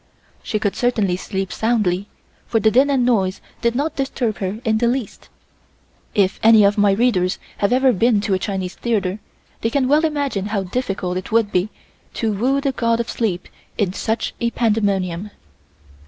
She could certainly sleep soundly, for the din and noise did not disturb her in the least. If any of my readers have ever been to a Chinese theatre, they can well imagine how difficult it would be to woo the God of Sleep in such a pandemonium.